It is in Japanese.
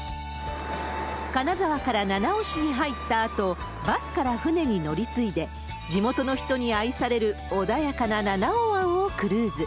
金沢から七尾市に入ったあと、バスから船に乗り継いで、地元の人に愛される穏やかな七尾湾をクルーズ。